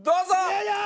よいしょー！